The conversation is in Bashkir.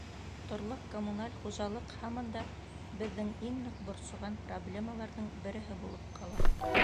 Торлаҡ-коммуналь хужалыҡ һаман да беҙҙе иң ныҡ борсоған проблемаларҙың береһе булып ҡала.